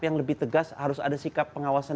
yang lebih tegas harus ada sikap pengawasan